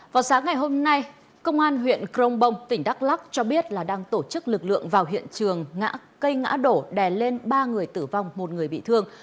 vào sáng ngày hôm nay công an huyện crong bong tỉnh đắk lắc cho biết là đang tổ chức lực lượng vào hiện trường cây ngã đổ đè lên ba người tử vong một người bị thương